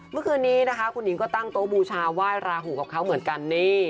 เมื่อคืนนี้นะคะคุณหญิงก็ตั้งโต๊ะบูชาไหว้ราหูกับเขาเหมือนกันนี่